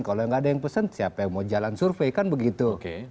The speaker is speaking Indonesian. kalau nggak ada yang pesen siapa yang mau jalan survei kan begitu